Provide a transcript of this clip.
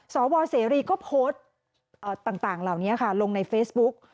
สวเสรีก็โพสต์ต่างเหล่านี้ค่ะลงในเฟซบุ๊ก